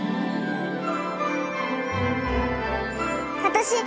私。